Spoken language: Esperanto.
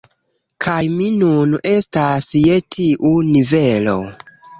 Kaj mi nun estas je tiu nivelo